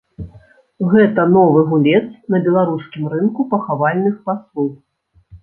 Гэта новы гулец на беларускім рынку пахавальных паслуг.